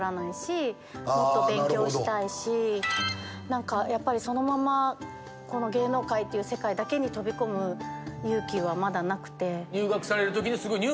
何かやっぱりそのままこの芸能界っていう世界だけに飛び込む勇気はまだなくて。